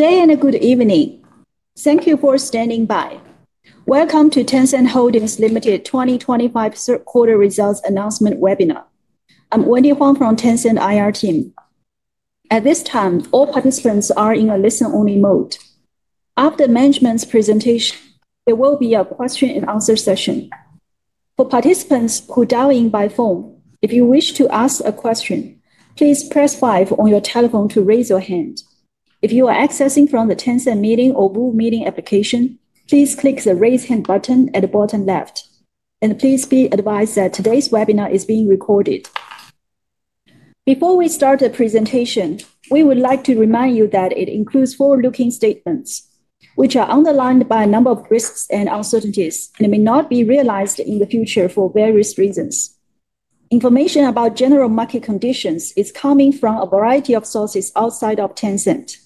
Good day and a good evening. Thank you for standing by. Welcome to Tencent Holdings Limited 2025 third quarter results announcement webinar. I'm Wendy Huang from Tencent IR team. At this time, all participants are in a listen-only mode. After management's presentation, there will be a question-and-answer session. For participants who dial in by phone, if you wish to ask a question, please press five on your telephone to raise your hand. If you are accessing from the Tencent Meeting or Booth Meeting application, please click the raise hand button at the bottom left. Please be advised that today's webinar is being recorded. Before we start the presentation, we would like to remind you that it includes forward-looking statements, which are underlined by a number of risks and uncertainties, and may not be realized in the future for various reasons. Information about general market conditions is coming from a variety of sources outside of Tencent.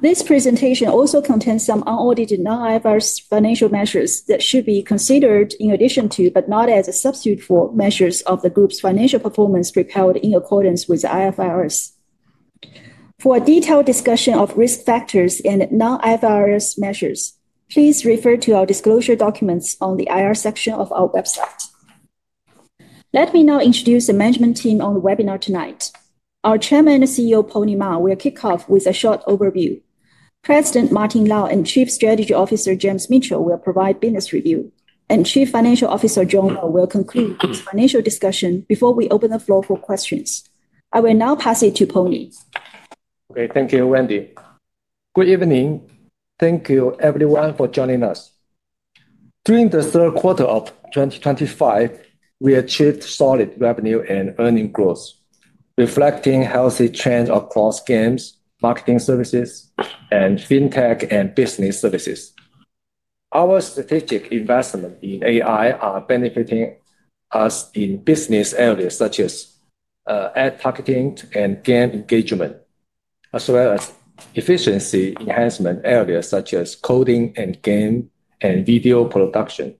This presentation also contains some unaudited non-IFRS financial measures that should be considered in addition to, but not as a substitute for, measures of the group's financial performance prepared in accordance with IFRS. For a detailed discussion of risk factors and non-IFRS measures, please refer to our disclosure documents on the IR section of our website. Let me now introduce the management team on the webinar tonight. Our Chairman and CEO, Pony Ma, will kick off with a short overview. President Martin Lau and Chief Strategy Officer, James Mitchell, will provide business review, and Chief Financial Officer, John Lo, will conclude his financial discussion before we open the floor for questions. I will now pass it to Pony. Okay, thank you, Wendy. Good evening. Thank you, everyone, for joining us. During the third quarter of 2025, we achieved solid revenue and earning growth, reflecting healthy trends across games, marketing services, and fintech and business services. Our strategic investments in AI are benefiting us in business areas such as ad targeting and game engagement, as well as efficiency enhancement areas such as coding and game and video production.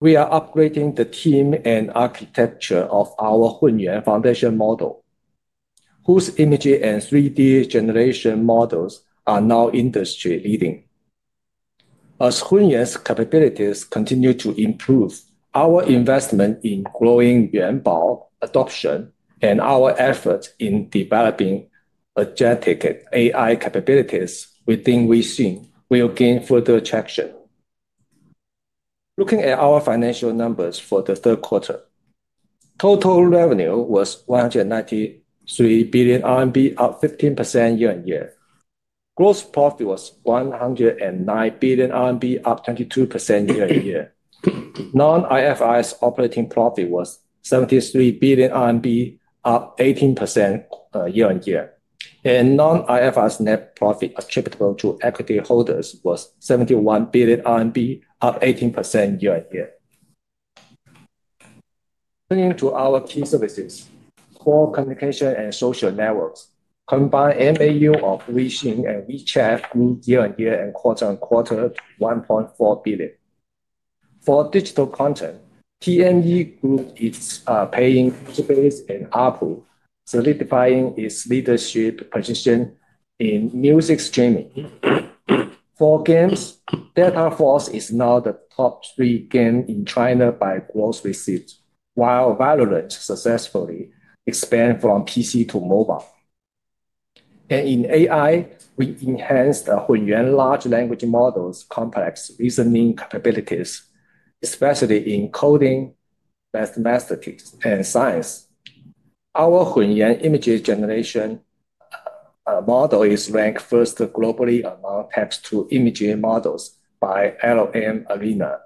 We are upgrading the team and architecture of our Hunyuan foundation model, whose imagery and 3D generation models are now industry-leading. As Hunyuan's capabilities continue to improve, our investment in growing Yuanbao adoption and our efforts in developing agentic AI capabilities within Weixin will gain further traction. Looking at our financial numbers for the third quarter, total revenue was 193 billion RMB, up 15% year-on-year. Gross profit was 109 billion RMB, up 22% year-on-year. Non-IFRS operating profit was 73 billion RMB, up 18% year-on-year. Non-IFRS net profit attributable to equity holders was 71 billion RMB, up 18% year-on-year. Turning to our key services, for communication and social networks, combined MAU of Weixin and WeChat grew year-on-year and quarter-on-quarter to 1.4 billion. For digital content, Tencent Music Entertainment Group is paying Space and Apple, solidifying its leadership position in music streaming. For games, Delta Force is now the top three game in China by gross receipts, while Valorant successfully expands from PC to mobile. In AI, we enhanced Hunyuan large language model's complex reasoning capabilities, especially in coding, mathematics, and science. Our Hunyuan imagery generation model is ranked first globally among text-to-imagery models by LLM Arena.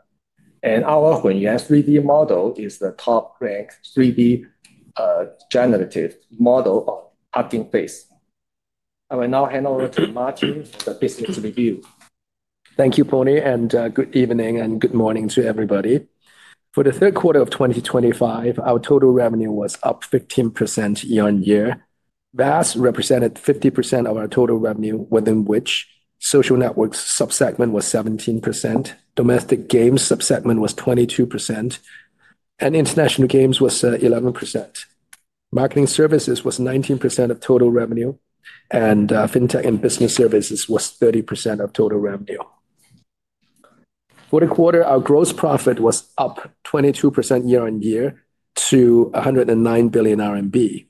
Our Hunyuan 3D model is the top-ranked 3D generative model of Hugging Face. I will now hand over to Martin for the business review. Thank you, Pony. Good evening and good morning to everybody. For the third quarter of 2025, our total revenue was up 15% year-on-year. VAS represented 50% of our total revenue, within which social networks subsegment was 17%, domestic games subsegment was 22%, and international games was 11%. Marketing services was 19% of total revenue, and fintech and business services was 30% of total revenue. For the quarter, our gross profit was up 22% year-on-year to 109 billion RMB.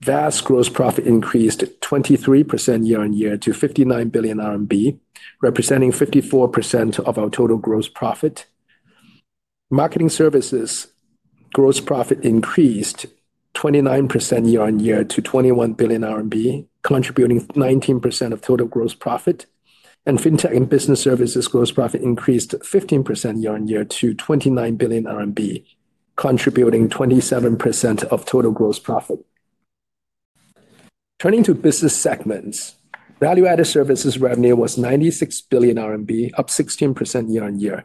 VAS gross profit increased 23% year-on-year to 59 billion RMB, representing 54% of our total gross profit. Marketing services gross profit increased 29% year-on-year to 21 billion RMB, contributing 19% of total gross profit. Fintech and business services gross profit increased 15% year-on-year to 29 billion RMB, contributing 27% of total gross profit. Turning to business segments, value-added services revenue was 96 billion RMB, up 16% year-on-year.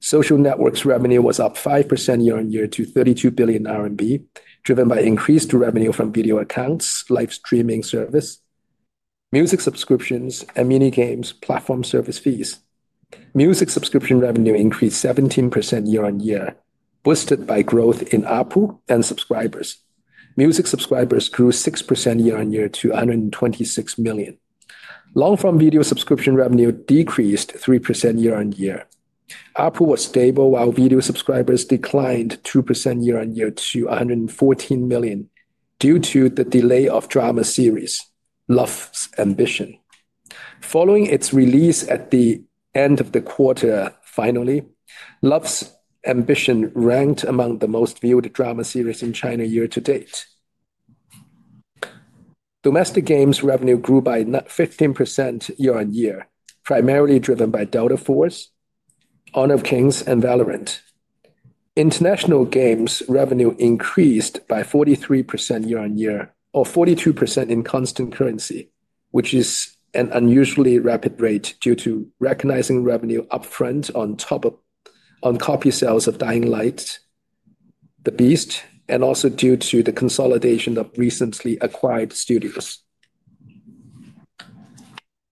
Social networks revenue was up 5% year-on-year to 32 billion RMB, driven by increased revenue from Video Accounts, live streaming service, music subscriptions, and Mini Games platform service fees. Music subscription revenue increased 17% year-on-year, boosted by growth in Apple and subscribers. Music subscribers grew 6% year-on-year to 126 million. Long-form video subscription revenue decreased 3% year-on-year. Apple was stable, while video subscribers declined 2% year-on-year to 114 million due to the delay of drama series Love's Ambition. Following its release at the end of the quarter, finally, Love's Ambition ranked among the most viewed drama series in China year-to-date. Domestic games revenue grew by 15% year-on-year, primarily driven by Delta Force, Honor of Kings, and Valorant. International games revenue increased by 43% year-on-year, or 42% in constant currency, which is an unusually rapid rate due to recognizing revenue upfront on top of copy sales of Dying Light: The Beast, and also due to the consolidation of recently acquired studios.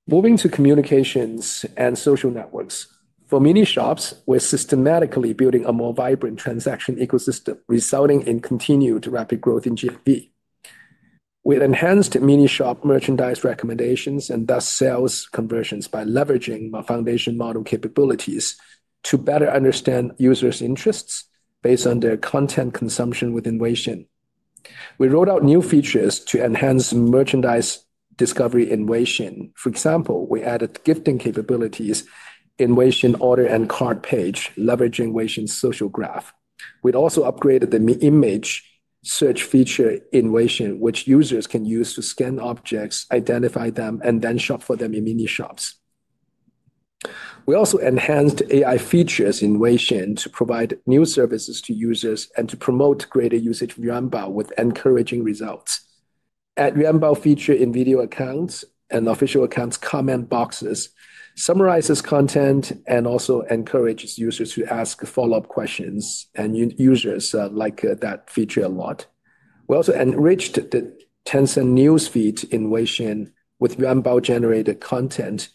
Moving to communications and social networks, for mini shops, we're systematically building a more vibrant transaction ecosystem, resulting in continued rapid growth in GMV. We've enhanced mini shop merchandise recommendations and thus sales conversions by leveraging my foundation model capabilities to better understand users' interests based on their content consumption within Weixin. We rolled out new features to enhance merchandise discovery in Weixin. For example, we added gifting capabilities in Weixin order and card page, leveraging Weixin's social graph. We also upgraded the image search feature in Weixin, which users can use to scan objects, identify them, and then shop for them in mini shops. We also enhanced AI features in Weixin to provide new services to users and to promote greater usage of Yuanbao with encouraging results. Add Yuanbao feature in Video Accounts and Official Accounts comment boxes, summarizes content, and also encourages users to ask follow-up questions, and users like that feature a lot. We also enriched the Tencent News feed in Weixin with Yuanbao-generated content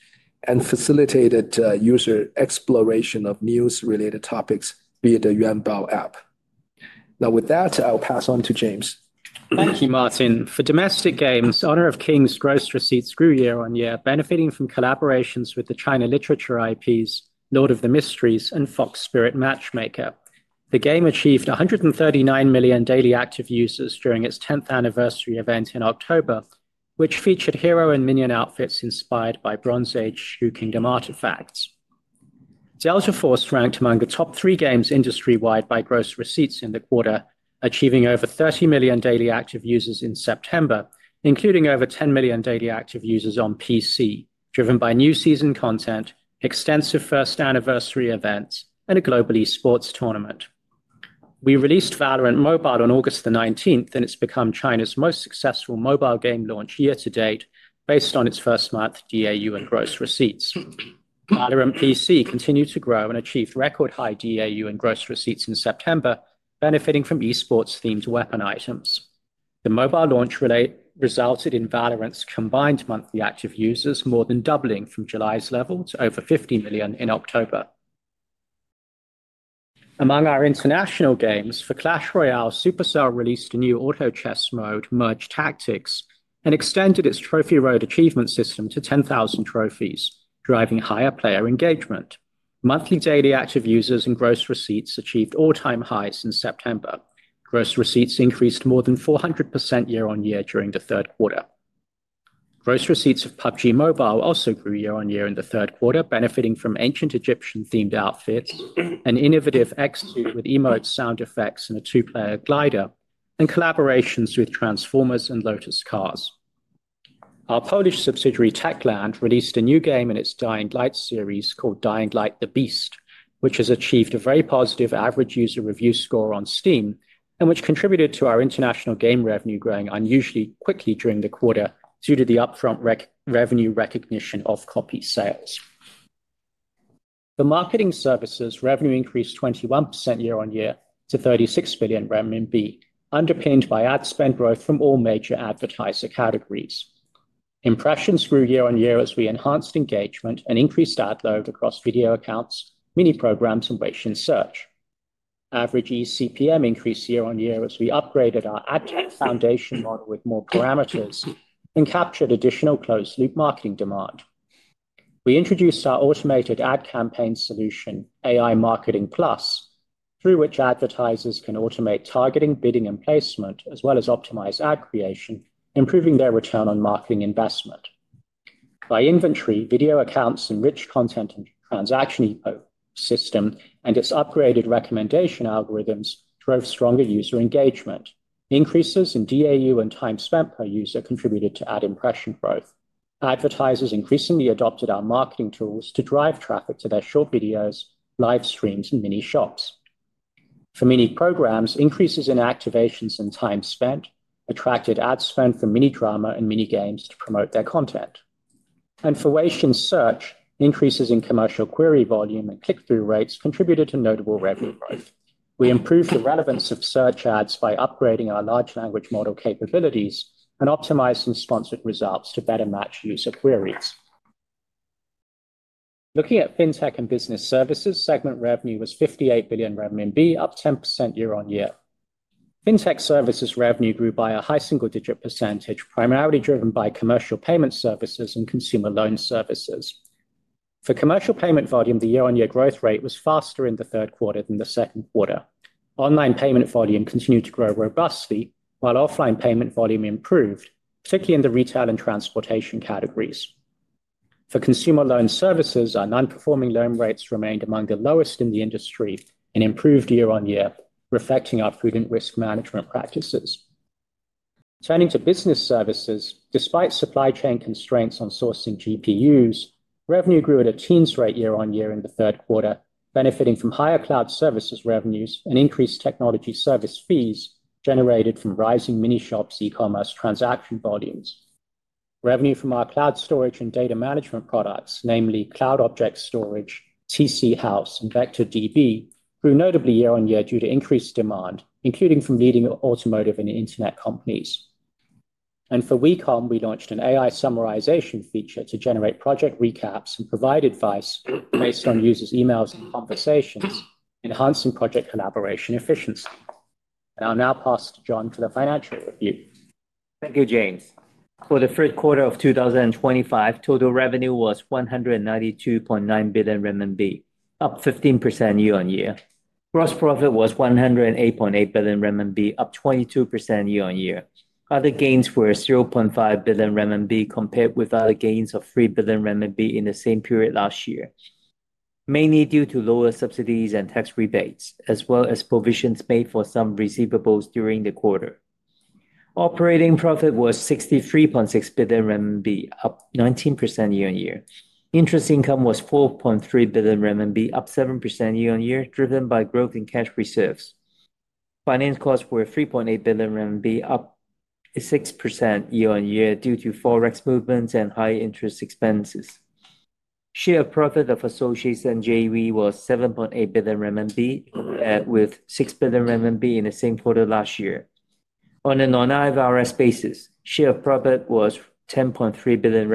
and facilitated user exploration of news-related topics, be it the Yuanbao app. Now, with that, I'll pass on to James. Thank you, Martin. For domestic games, Honor of Kings gross receipts grew year-on-year, benefiting from collaborations with the China Literature IPs, Lord of the Mysteries, and Fox Spirit Matchmaker. The game achieved 139 million daily active users during its 10th anniversary event in October, which featured hero and minion outfits inspired by Bronze Age Shu Kingdom artifacts. Delta Force ranked among the top three games industry-wide by gross receipts in the quarter, achieving over 30 million daily active users in September, including over 10 million daily active users on PC, driven by new season content, extensive first anniversary events, and a global esports tournament. We released Valorant Mobile on August 19, and it has become China's most successful mobile game launch year-to-date, based on its first-month DAU and gross receipts. Valorant PC continued to grow and achieved record-high DAU and gross receipts in September, benefiting from esports-themed weapon items. The mobile launch resulted in Valorant's combined monthly active users more than doubling from July's level to over 50 million in October. Among our international games, for Clash Royale, Supercell released a new auto chess mode, Merge Tactics, and extended its trophy road achievement system to 10,000 trophies, driving higher player engagement. Monthly daily active users and gross receipts achieved all-time highs in September. Gross receipts increased more than 400% year-on-year during the third quarter. Gross receipts of PUBG Mobile also grew year-on-year in the third quarter, benefiting from ancient Egyptian-themed outfits, an innovative execute with emote sound effects and a two-player glider, and collaborations with Transformers and Lotus Cars. Our Polish subsidiary Techland released a new game in its Dying Light series called Dying Light: The Beast, which has achieved a very positive average user review score on Steam and which contributed to our international game revenue growing unusually quickly during the quarter due to the upfront revenue recognition of copy sales. For marketing services, revenue increased 21% year-on-year to 36 billion renminbi, underpinned by ad spend growth from all major advertiser categories. Impressions grew year-on-year as we enhanced engagement and increased ad load across Video Accounts, mini programs, and Weixin Search. Average ECPM increased year-on-year as we upgraded our ad foundation model with more parameters and captured additional closed-loop marketing demand. We introduced our automated ad campaign solution, AI Marketing Plus, through which advertisers can automate targeting, bidding, and placement, as well as optimize ad creation, improving their return on marketing investment. By inventory Video Accounts and rich content and transaction system, and its upgraded recommendation algorithms drove stronger user engagement. Increases in DAU and time spent per user contributed to ad impression growth. Advertisers increasingly adopted our marketing tools to drive traffic to their short videos, live streams, and Mini Shops. For mini programs, increases in activations and time spent attracted ad spend from mini drama and mini games to promote their content. For Weixin Search, increases in commercial query volume and click-through rates contributed to notable revenue growth. We improved the relevance of search ads by upgrading our large language model capabilities and optimizing sponsored results to better match user queries. Looking at fintech and business services, segment revenue was 58 billion renminbi, up 10% year-on-year. Fintech services revenue grew by a high single-digit %, primarily driven by commercial payment services and consumer loan services. For commercial payment volume, the year-on-year growth rate was faster in the third quarter than the second quarter. Online payment volume continued to grow robustly, while offline payment volume improved, particularly in the retail and transportation categories. For consumer loan services, our non-performing loan rates remained among the lowest in the industry and improved year-on-year, reflecting our prudent risk management practices. Turning to business services, despite supply chain constraints on sourcing GPUs, revenue grew at a teens rate year-on-year in the third quarter, benefiting from higher cloud services revenues and increased technology service fees generated from rising Mini Shops' e-commerce transaction volumes. Revenue from our cloud storage and data management products, namely Cloud Object Storage, TC House, and Vector DB, grew notably year-on-year due to increased demand, including from leading automotive and internet companies. For WeCom, we launched an AI summarization feature to generate project recaps and provide advice based on users' emails and conversations, enhancing project collaboration efficiency. I'll now pass to John for the financial review. Thank you, James. For the third quarter of 2025, total revenue was 192.9 billion RMB, up 15% year-on-year. Gross profit was 108.8 billion RMB, up 22% year-on-year. Other gains were 0.5 billion RMB compared with other gains of 3 billion RMB in the same period last year, mainly due to lower subsidies and tax rebates, as well as provisions made for some receivables during the quarter. Operating profit was 63.6 billion RMB, up 19% year-on-year. Interest income was 4.3 billion RMB, up 7% year-on-year, driven by growth in cash reserves. Finance costs were 3.8 billion RMB, up 6% year-on-year due to forex movements and high interest expenses. Share of profit of associates and JV was 7.8 billion RMB, with 6 billion RMB in the same quarter last year. On a non-IFRS basis, share of profit was 10.3 billion RMB, up from 8.5 billion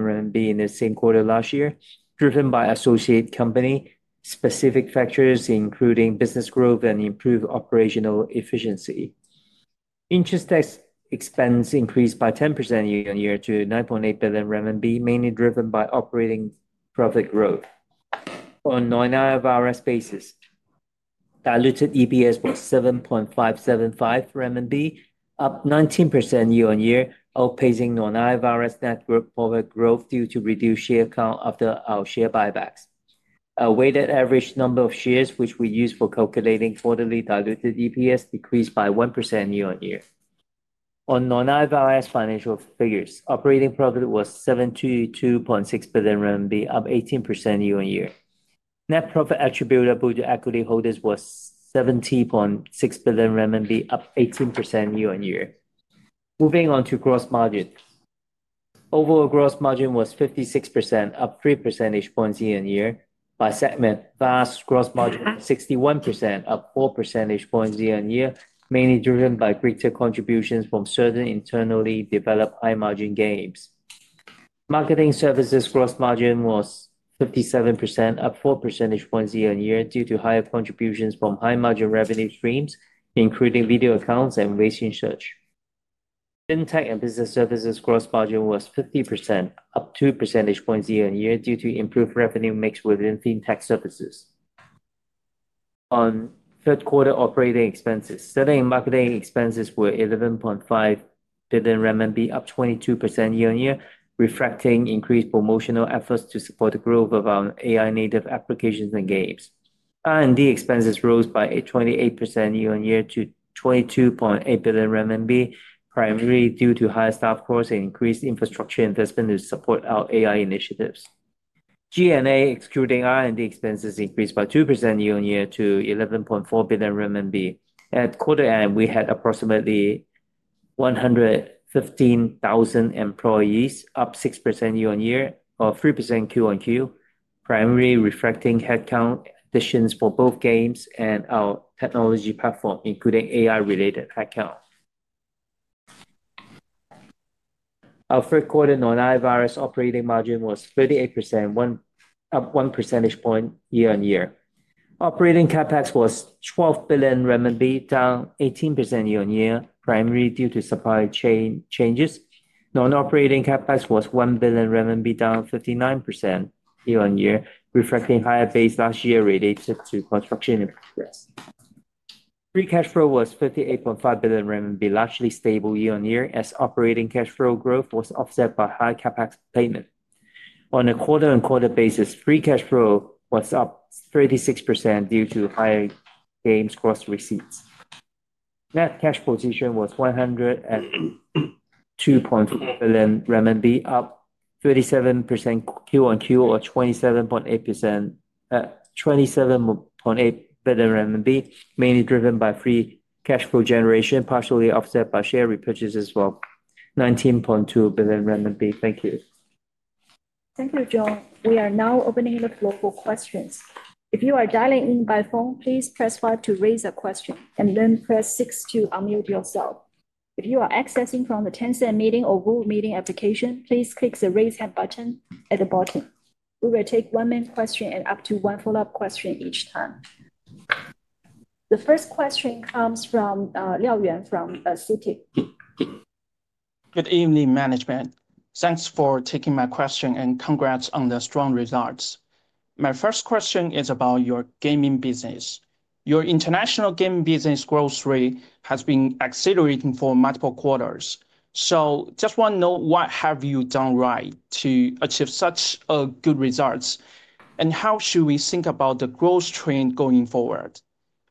RMB in the same quarter last year, driven by associate company-specific factors, including business growth and improved operational efficiency. Interest expense increased by 10% year-on-year to 9.8 billion RMB, mainly driven by operating profit growth. On a non-IFRS basis, diluted EPS was 7.575, up 19% year-on-year, outpacing non-IFRS net profit growth due to reduced share count after our share buybacks. Our weighted average number of shares, which we use for calculating quarterly diluted EPS, decreased by 1% year-on-year. On non-IFRS financial figures, operating profit was 72.6 billion RMB, up 18% year-on-year. Net profit attributable to equity holders was 70.6 billion RMB, up 18% year-on-year. Moving on to gross margin. Overall gross margin was 56%, up 3 percentage points year-on-year. By segment, VAS gross margin was 61%, up 4 percentage points year-on-year, mainly driven by greater contributions from certain internally developed high-margin games. Marketing services gross margin was 57%, up 4 percentage points year-on-year due to higher contributions from high-margin revenue streams, including Video Accounts and Weixin Search. Fintech and business services gross margin was 50%, up 2 percentage points year-on-year due to improved revenue mix within fintech services. On third quarter operating expenses, selling and marketing expenses were 11.5 billion RMB, up 22% year-on-year, reflecting increased promotional efforts to support the growth of our AI-native applications and games. R&D expenses rose by 28% year-on-year to 22.8 billion RMB, primarily due to higher staff costs and increased infrastructure investment to support our AI initiatives. G&A, excluding R&D expenses, increased by 2% year-on-year to 11.4 billion RMB. At quarter end, we had approximately 115,000 employees, up 6% year-on-year or 3% Q-on-Q, primarily reflecting headcount additions for both games and our technology platform, including AI-related headcount. Our third quarter non-IFRS operating margin was 38%, up 1 percentage point year-on-year. Operating CapEx was 12 billion renminbi, down 18% year-on-year, primarily due to supply chain changes. Non-operating CapEx was 1 billion RMB, down 59% year-on-year, reflecting higher base last year related to construction. Free cash flow was 58.5 billion RMB, largely stable year-on-year, as operating cash flow growth was offset by high CapEx payment. On a quarter-on-quarter basis, free cash flow was up 36% due to higher games gross receipts. Net cash position was 102.4 billion RMB, up 37% Q-on-Q, or 27.8 billion RMB, mainly driven by free cash flow generation, partially offset by share repurchases of 19.2 billion RMB. Thank you. Thank you, John. We are now opening the floor for questions. If you are dialing in by phone, please press five to raise a question, and then press six to unmute yourself. If you are accessing from the Tencent Meeting or Google Meeting application, please click the raise hand button at the bottom. We will take one main question and up to one follow-up question each time. The first question comes from Liao Yuan from Citi. Good evening, management. Thanks for taking my question and congrats on the strong results. My first question is about your gaming business. Your international gaming business growth rate has been accelerating for multiple quarters. Just want to know, what have you done right to achieve such good results? How should we think about the growth trend going forward?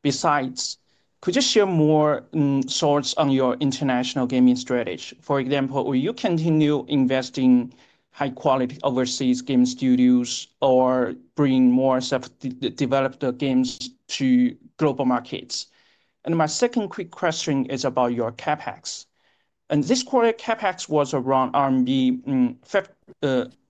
Besides, could you share more thoughts on your international gaming strategy? For example, will you continue investing in high-quality overseas game studios or bring more self-developed games to global markets? My second quick question is about your CapEx. In this quarter, CapEx was around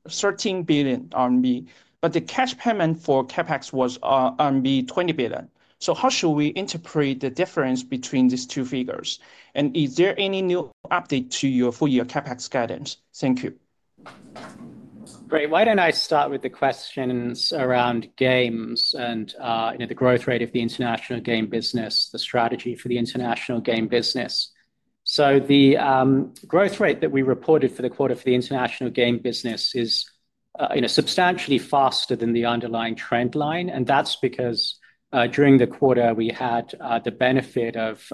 13 billion RMB, but the cash payment for CapEx was RMB 20 billion. How should we interpret the difference between these two figures? Is there any new update to your full-year CapEx guidance? Thank you. Great. Why don't I start with the questions around games and the growth rate of the international game business, the strategy for the international game business? The growth rate that we reported for the quarter for the international game business is substantially faster than the underlying trend line. That is because during the quarter, we had the benefit of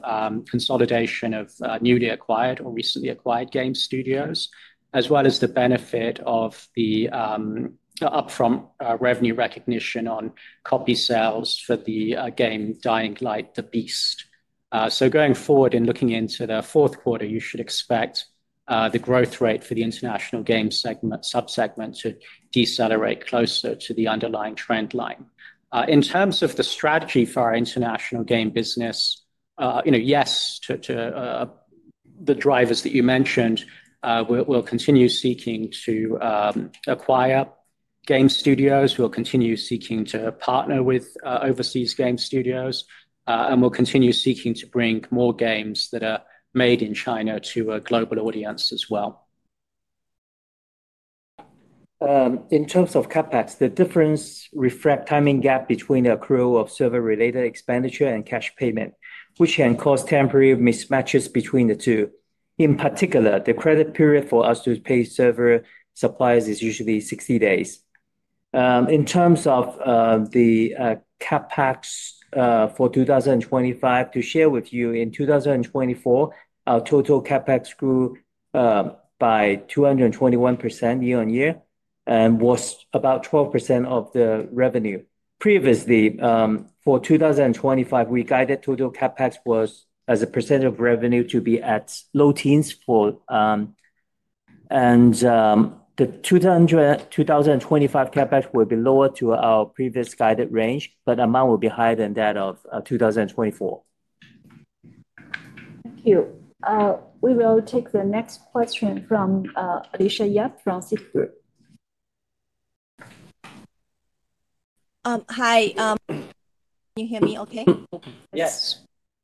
consolidation of newly acquired or recently acquired game studios, as well as the benefit of the upfront revenue recognition on copy sales for the game Dying Light: The Beast. Going forward and looking into the fourth quarter, you should expect the growth rate for the international game subsegment to decelerate closer to the underlying trend line. In terms of the strategy for our international game business, yes, to the drivers that you mentioned, we'll continue seeking to acquire game studios. We'll continue seeking to partner with overseas game studios, and we'll continue seeking to bring more games that are made in China to a global audience as well. In terms of CapEx, the difference reflects the timing gap between the accrual of server-related expenditure and cash payment, which can cause temporary mismatches between the two. In particular, the credit period for us to pay server suppliers is usually 60 days. In terms of the CapEx for 2025, to share with you, in 2024, our total CapEx grew by 221% year-on-year and was about 12% of the revenue. Previously, for 2025, we guided total CapEx as a percent of revenue to be at low teens. The 2025 CapEx will be lower to our previous guided range, but the amount will be higher than that of 2024. Thank you. We will take the next question from Alicia Yap from Citigroup. Hi. Can you hear me okay? Yes.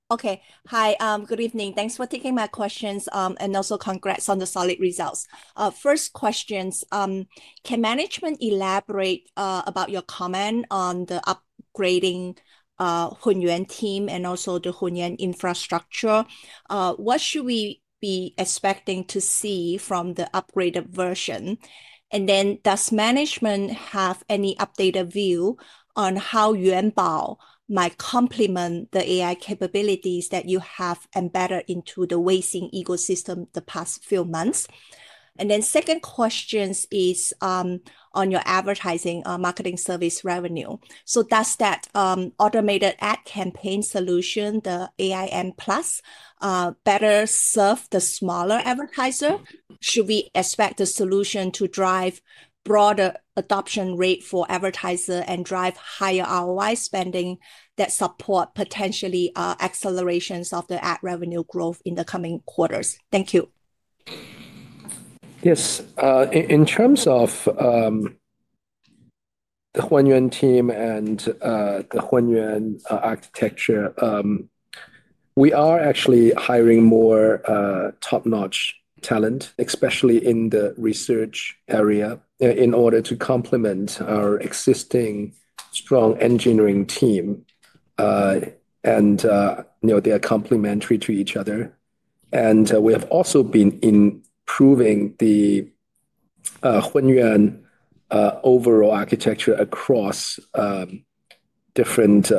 Okay. Hi. Good evening. Thanks for taking my questions, and also congrats on the solid results. First questions, can management elaborate about your comment on the upgrading Hunyuan team and also the Hunyuan infrastructure? What should we be expecting to see from the upgraded version? Does management have any updated view on how Yuanbao might complement the AI capabilities that you have embedded into the Weixin ecosystem the past few months? Second question is on your advertising marketing service revenue. Does that automated ad campaign solution, the AI Marketing Plus, better serve the smaller advertiser? Should we expect the solution to drive broader adoption rate for advertisers and drive higher ROI spending that support potentially accelerations of the ad revenue growth in the coming quarters? Thank you. Yes. In terms of the Hunyuan team and the Hunyuan architecture, we are actually hiring more top-notch talent, especially in the research area, in order to complement our existing strong engineering team. They are complementary to each other. We have also been improving the Hunyuan overall architecture across different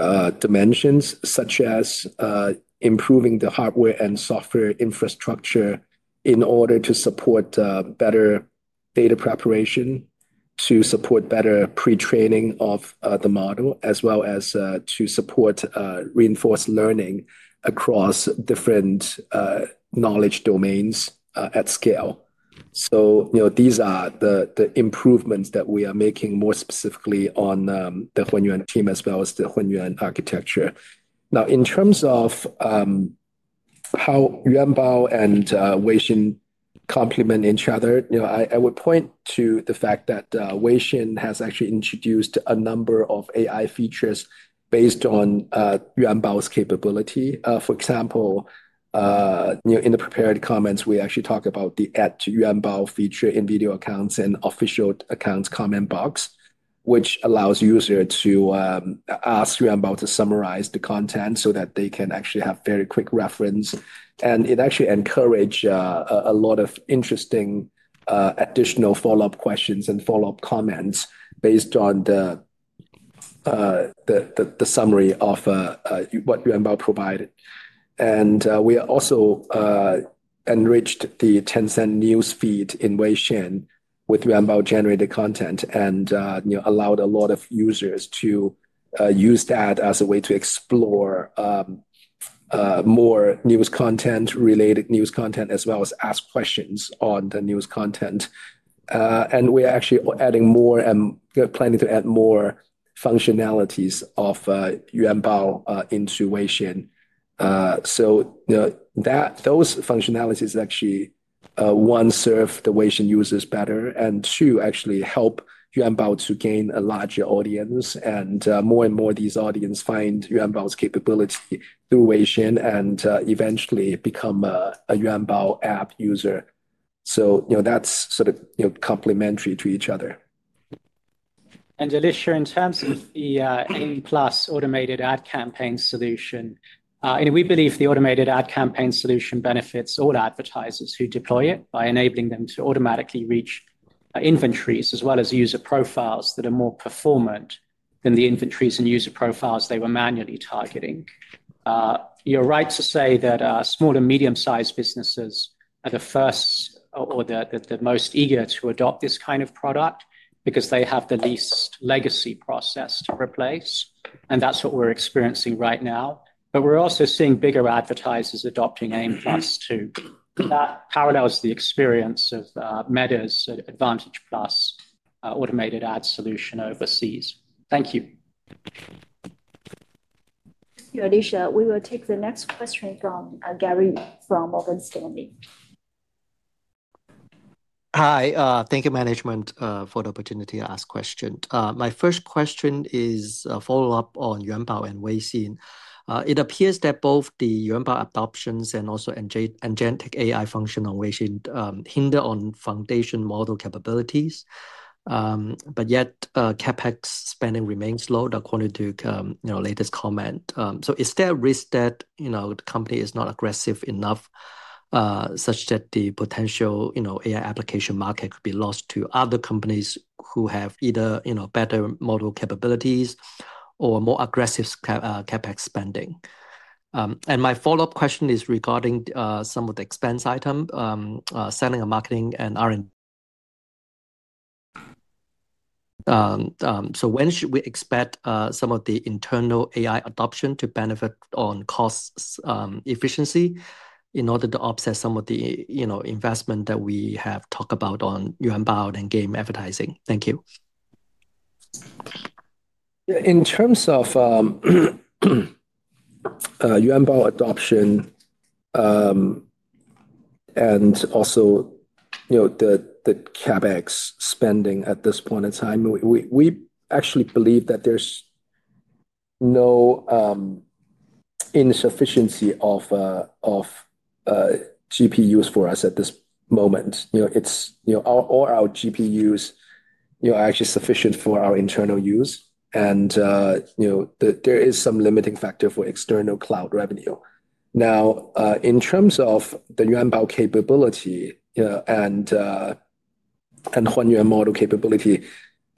dimensions, such as improving the hardware and software infrastructure in order to support better data preparation, to support better pre-training of the model, as well as to support reinforced learning across different knowledge domains at scale. These are the improvements that we are making more specifically on the Hunyuan team as well as the Hunyuan architecture. Now, in terms of how Yuanbao and Weixin complement each other, I would point to the fact that Weixin has actually introduced a number of AI features based on Yuanbao's capability. For example, in the prepared comments, we actually talk about the add-to-Yuanbao feature in Video Accounts and Official Accounts comment box, which allows users to ask Yuanbao to summarize the content so that they can actually have very quick reference. It actually encourages a lot of interesting additional follow-up questions and follow-up comments based on the summary of what Yuanbao provided. We also enriched the Tencent News feed in Weixin with Yuanbao-generated content and allowed a lot of users to use that as a way to explore more news content, related news content, as well as ask questions on the news content. We are actually adding more and planning to add more functionalities of Yuanbao into Weixin. Those functionalities actually, one, serve the Weixin users better, and two, actually help Yuanbao to gain a larger audience. More and more of these audiences find Yuanbao's capability through Weixin and eventually become a Yuanbao app user. That is sort of complementary to each other. Alicia, in terms of the AIM Plus automated ad campaign solution, we believe the automated ad campaign solution benefits all advertisers who deploy it by enabling them to automatically reach inventories as well as user profiles that are more performant than the inventories and user profiles they were manually targeting. You are right to say that small and medium-sized businesses are the first or the most eager to adopt this kind of product because they have the least legacy process to replace. That is what we are experiencing right now. We are also seeing bigger advertisers adopting AIM Plus too. That parallels the experience of Meta's Advantage Plus automated ad solution overseas. Thank you. Thank you, Alicia. We will take the next question from Gary from Morgan Stanley. Hi. Thank you, management, for the opportunity to ask a question. My first question is a follow-up on Yuanbao and Weixin. It appears that both the Yuanbao adoptions and also enjoyed engineering AI function on Weixin hinder on foundation model capabilities. Yet, CapEx spending remains low according to the latest comment. Is there a risk that the company is not aggressive enough such that the potential AI application market could be lost to other companies who have either better model capabilities or more aggressive CapEx spending? My follow-up question is regarding some of the expense items, selling and marketing and R&D. When should we expect some of the internal AI adoption to benefit on cost efficiency in order to offset some of the investment that we have talked about on Yuanbao and game advertising? Thank you. In terms of Yuanbao adoption and also the CapEx spending at this point in time, we actually believe that there is no insufficiency of GPUs for us at this moment. All our GPUs are actually sufficient for our internal use. There is some limiting factor for external cloud revenue. Now, in terms of the Yuanbao capability and Hunyuan model capability,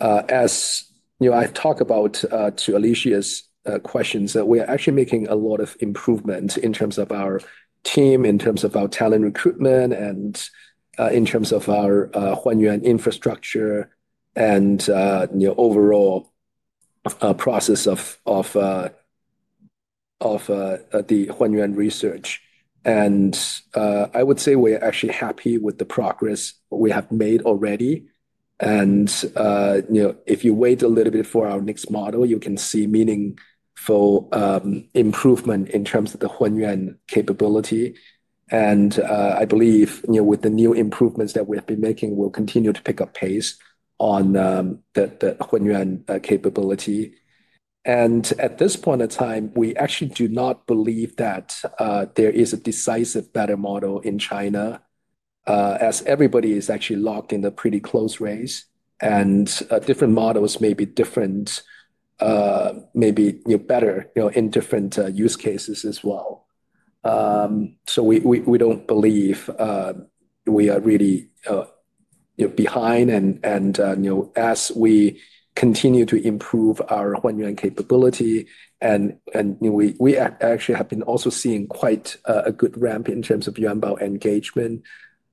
as I talked about to Alicia's questions, we are actually making a lot of improvements in terms of our team, in terms of our talent recruitment, and in terms of our Hunyuan infrastructure and overall process of the Hunyuan research. I would say we are actually happy with the progress we have made already. If you wait a little bit for our next model, you can see meaningful improvement in terms of the Hunyuan capability. I believe with the new improvements that we have been making, we will continue to pick up pace on the Hunyuan capability. At this point in time, we actually do not believe that there is a decisive better model in China, as everybody is actually locked in a pretty close race. Different models may be better in different use cases as well. We do not believe we are really behind. As we continue to improve our Hunyuan capability, we actually have also been seeing quite a good ramp in terms of Yuanbao engagement.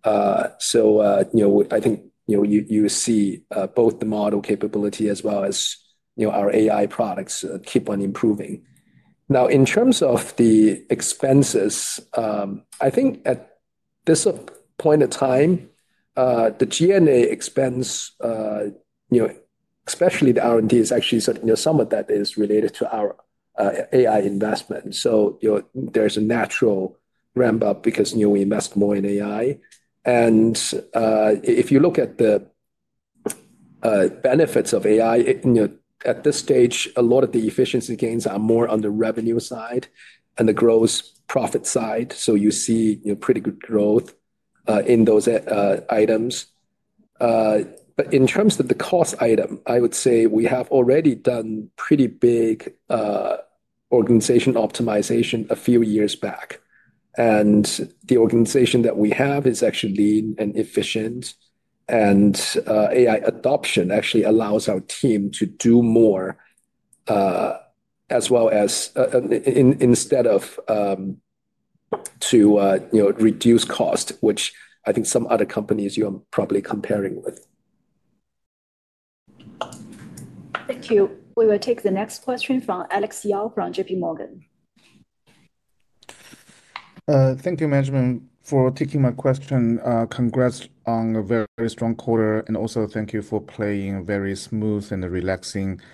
I think you see both the model capability as well as our AI products keep on improving. In terms of the expenses, I think at this point in time, the GNA expense, especially the R&D, is actually somewhat related to our AI investment. There is a natural ramp-up because we invest more in AI. If you look at the benefits of AI, at this stage, a lot of the efficiency gains are more on the revenue side and the gross profit side. You see pretty good growth in those items. In terms of the cost item, I would say we have already done pretty big organization optimization a few years back. The organization that we have is actually lean and efficient. AI adoption actually allows our team to do more as well as instead of to reduce cost, which I think some other companies you are probably comparing with. Thank you. We will take the next question from Alex Yao from JPMorgan. Thank you, management, for taking my question. Congrats on a very strong quarter. Also, thank you for playing very smooth and relaxing music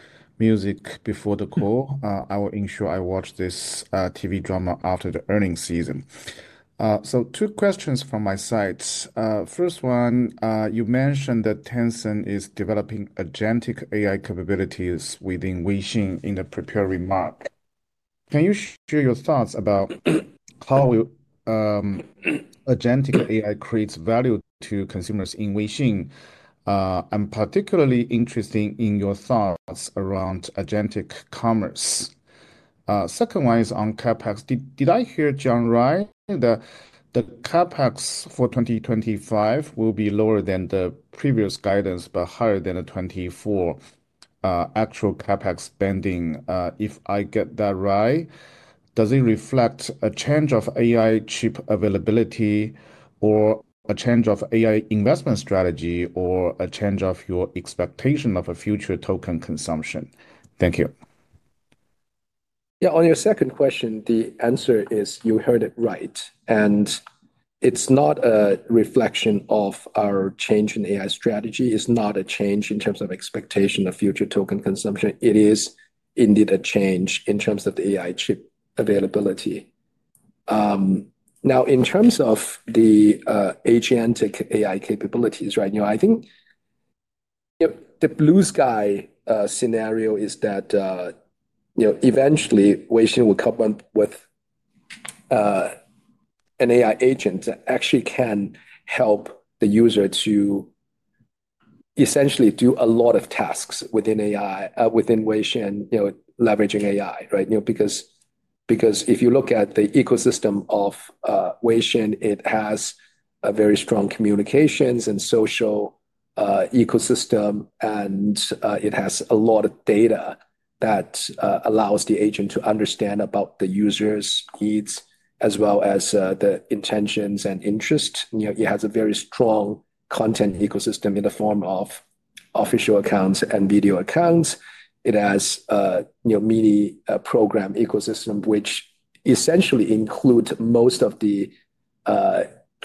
before the call. I will ensure I watch this TV drama after the earnings season. Two questions from my side. First one, you mentioned that Tencent is developing agentic AI capabilities within Weixin in the prepared remark. Can you share your thoughts about how agentic AI creates value to consumers in Weixin? I'm particularly interested in your thoughts around agentic commerce. Second one is on CapEx. Did I hear John right? The CapEx for 2025 will be lower than the previous guidance, but higher than the 2024 actual CapEx spending, if I get that right. Does it reflect a change of AI chip availability or a change of AI investment strategy or a change of your expectation of a future token consumption? Thank you. Yeah. On your second question, the answer is you heard it right. It is not a reflection of our change in AI strategy. It is not a change in terms of expectation of future token consumption. It is indeed a change in terms of the AI chip availability. Now, in terms of the agentic AI capabilities, I think the blue sky scenario is that eventually, Weixin will come up with an AI agent that actually can help the user to essentially do a lot of tasks within Weixin, leveraging AI. If you look at the ecosystem of Weixin, it has a very strong communications and social ecosystem. It has a lot of data that allows the agent to understand about the user's needs as well as the intentions and interests. It has a very strong content ecosystem in the form of official accounts and video accounts. It has a mini program ecosystem, which essentially includes most of the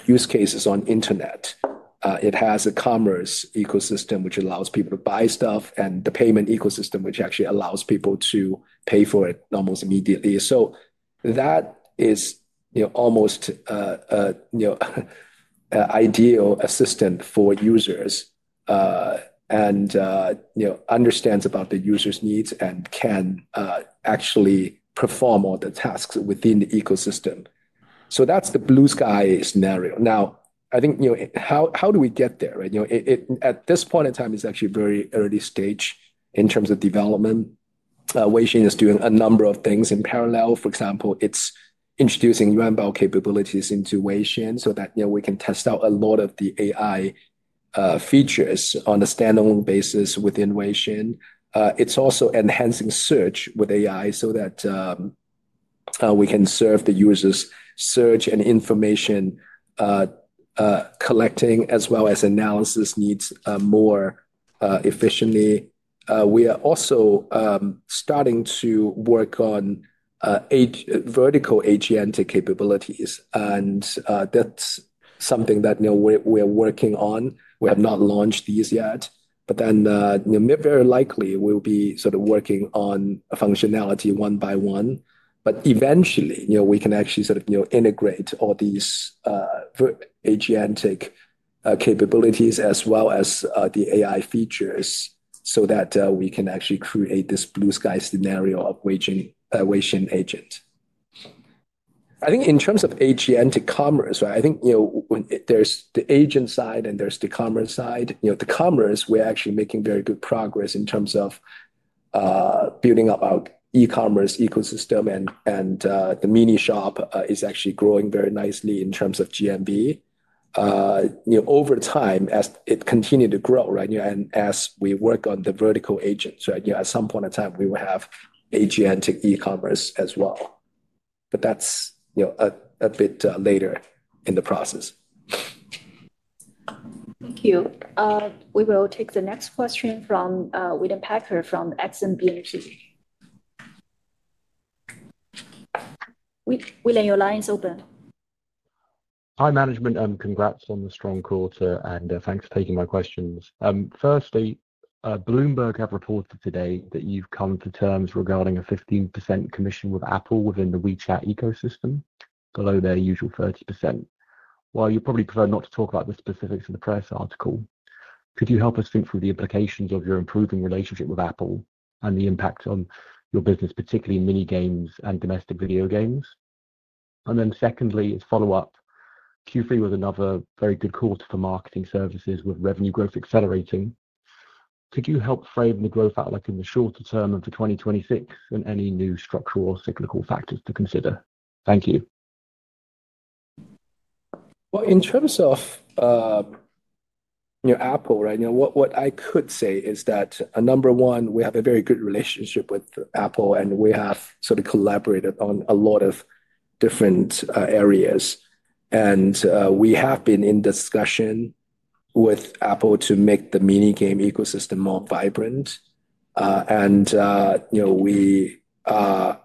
use cases on the internet. It has a commerce ecosystem, which allows people to buy stuff, and the payment ecosystem, which actually allows people to pay for it almost immediately. That is almost an ideal assistant for users and understands about the user's needs and can actually perform all the tasks within the ecosystem. That is the blue sky scenario. Now, I think how do we get there? At this point in time, it is actually very early stage in terms of development. Weixin is doing a number of things in parallel. For example, it is introducing Yuanbao capabilities into Weixin so that we can test out a lot of the AI features on a standalone basis within Weixin. It's also enhancing search with AI so that we can serve the user's search and information collecting as well as analysis needs more efficiently. We are also starting to work on vertical agentic capabilities. That's something that we are working on. We have not launched these yet. Very likely, we'll be sort of working on functionality one by one. Eventually, we can actually sort of integrate all these agentic capabilities as well as the AI features so that we can actually create this blue sky scenario of Weixin agent. I think in terms of agentic commerce, I think there's the agent side and there's the commerce side. The commerce, we're actually making very good progress in terms of building up our e-commerce ecosystem. The mini shop is actually growing very nicely in terms of GMV. Over time, as it continued to grow and as we work on the vertical agents, at some point in time, we will have agentic e-commerce as well. That is a bit later in the process. Thank you. We will take the next question from William Packer from BNP Paribas Exane. William, your line is open. Hi, management. Congrats on the strong quarter. Thanks for taking my questions. Firstly, Bloomberg have reported today that you've come to terms regarding a 15% commission with Apple within the WeChat ecosystem below their usual 30%. While you probably prefer not to talk about the specifics of the press article, could you help us think through the implications of your improving relationship with Apple and the impact on your business, particularly mini games and domestic video games? Secondly, as a follow-up, Q3 was another very good quarter for marketing services with revenue growth accelerating. Could you help frame the growth outlook in the shorter term of 2026 and any new structural or cyclical factors to consider? Thank you. In terms of Apple, what I could say is that, number one, we have a very good relationship with Apple. We have sort of collaborated on a lot of different areas. We have been in discussion with Apple to make the mini game ecosystem more vibrant. We are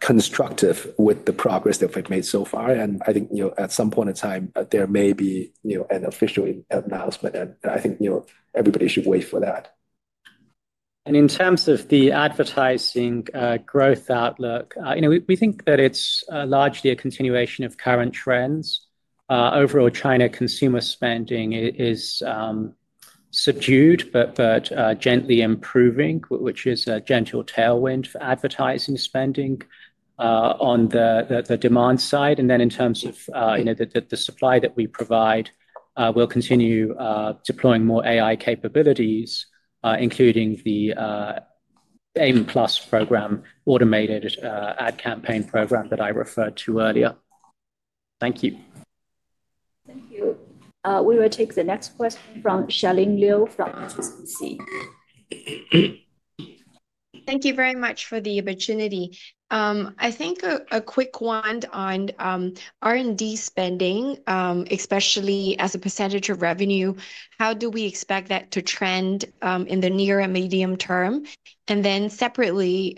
constructive with the progress that we've made so far. I think at some point in time, there may be an official announcement. I think everybody should wait for that. In terms of the advertising growth outlook, we think that it's largely a continuation of current trends. Overall, China consumer spending is subdued but gently improving, which is a gentle tailwind for advertising spending on the demand side. In terms of the supply that we provide, we'll continue deploying more AI capabilities, including the AI Marketing Plus program, automated ad campaign program that I referred to earlier. Thank you. Thank you. We will take the next question from Xiaoling Liu from HSBC. Thank you very much for the opportunity. I think a quick one on R&D spending, especially as a percentage of revenue, how do we expect that to trend in the near and medium term? Then separately,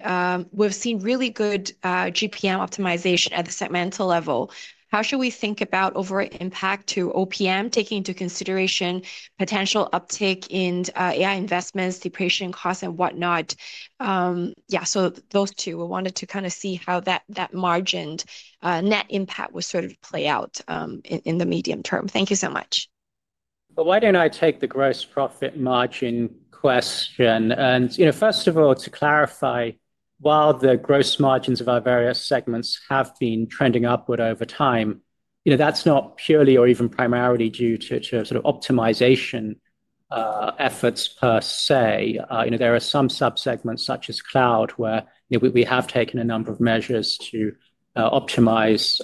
we've seen really good GPM optimization at the segmental level. How should we think about overall impact to OPM, taking into consideration potential uptake in AI investments, depreciation costs, and whatnot? Yeah, so those two. We wanted to kind of see how that margined net impact would sort of play out in the medium term. Thank you so much. Why don't I take the gross profit margin question? First of all, to clarify, while the gross margins of our various segments have been trending upward over time, that's not purely or even primarily due to sort of optimization efforts per se. There are some subsegments, such as cloud, where we have taken a number of measures to optimize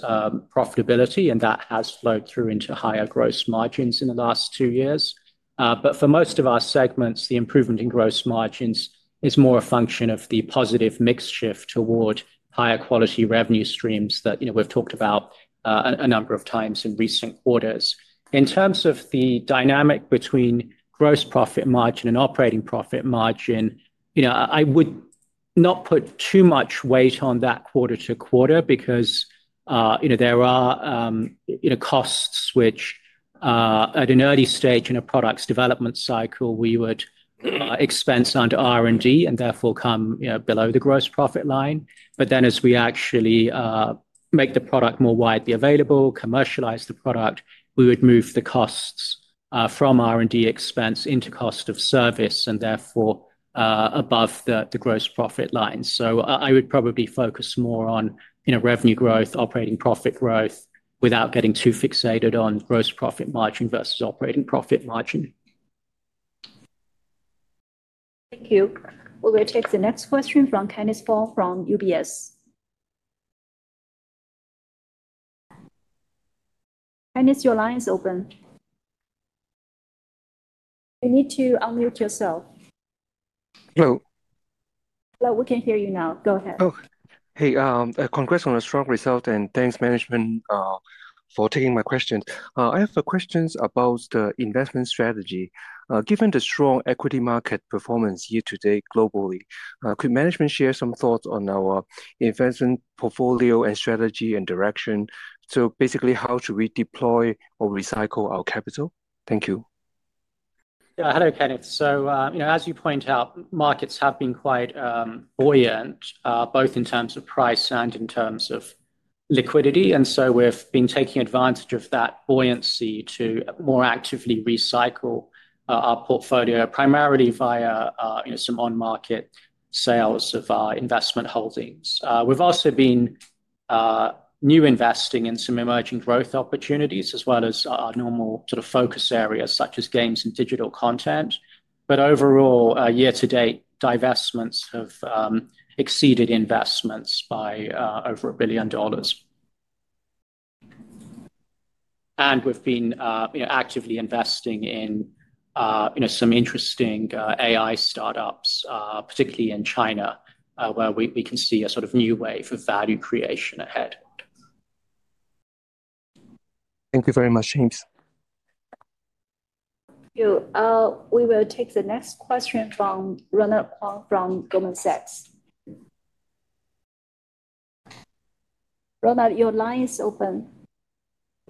profitability. That has flowed through into higher gross margins in the last two years. For most of our segments, the improvement in gross margins is more a function of the positive mix shift toward higher quality revenue streams that we've talked about a number of times in recent quarters. In terms of the dynamic between gross profit margin and operating profit margin, I would not put too much weight on that quarter-to-quarter because there are costs which, at an early stage in a product's development cycle, we would expense under R&D and therefore come below the gross profit line. As we actually make the product more widely available, commercialize the product, we would move the costs from R&D expense into cost of service and therefore above the gross profit line. I would probably focus more on revenue growth, operating profit growth without getting too fixated on gross profit margin versus operating profit margin. Thank you. We will take the next question from Kenneth Paul from UBS. Kenneth, your line is open. You need to unmute yourself. Hello. Hello. We can hear you now. Go ahead. Oh, hey. Congrats on a strong result. Thanks, management, for taking my question. I have questions about the investment strategy. Given the strong equity market performance year to date globally, could management share some thoughts on our investment portfolio and strategy and direction? Basically, how should we deploy or recycle our capital? Thank you. Yeah. Hello, Kenneth. As you point out, markets have been quite buoyant, both in terms of price and in terms of liquidity. We have been taking advantage of that buoyancy to more actively recycle our portfolio, primarily via some on-market sales of our investment holdings. We have also been new investing in some emerging growth opportunities as well as our normal sort of focus areas, such as games and digital content. Overall, year to date, divestments have exceeded investments by over $1 billion. We have been actively investing in some interesting AI startups, particularly in China, where we can see a sort of new wave of value creation ahead. Thank you very much, James. Thank you. We will take the next question from Ronald Keung from Goldman Sachs. Ronald, your line is open.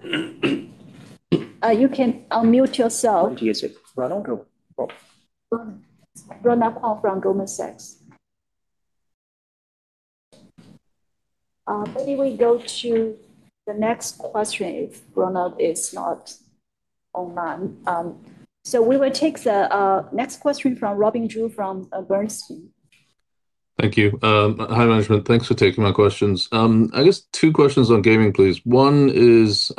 You can unmute yourself. I'm too busy. Ronald or Ronald? Ronald Keung from Goldman Sachs. Maybe we go to the next question if Ronald is not online. We will take the next question from Robin Zhu from Bernstein. Thank you. Hi, management. Thanks for taking my questions. I guess two questions on gaming, please. One is,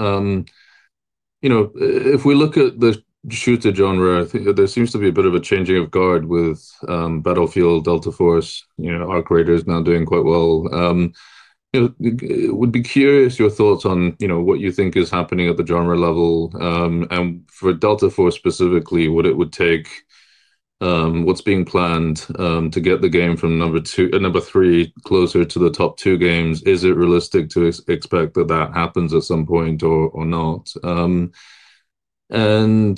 if we look at the shooter genre, there seems to be a bit of a changing of guard with Battlefield, Delta Force, Arc Raiders now doing quite well. I would be curious your thoughts on what you think is happening at the genre level. For Delta Force specifically, what it would take, what's being planned to get the game from number three closer to the top two games? Is it realistic to expect that that happens at some point or not? I